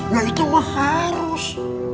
ya itu mah harus